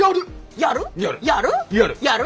やる！